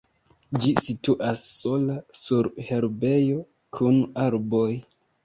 Ĝi situas sola sur herbejo kun arboj.